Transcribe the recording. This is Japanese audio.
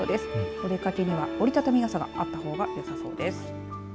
お出かけには折り畳み傘があったほうがよさそうです。